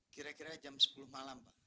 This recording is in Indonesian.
kira kira jam sepuluh malam pak